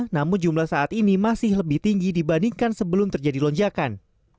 namun jumlah saat ini masih lebih tinggi dibandingkan sebelum terjadi lonjakan